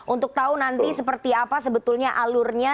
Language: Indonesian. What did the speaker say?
untuk tahu nanti seperti apa sebetulnya alurnya